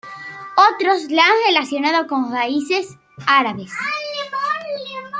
Otros la han relacionado con raíces árabes.